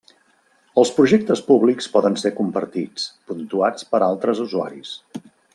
Els projectes públics poden ser compartits, puntuats per altres usuaris.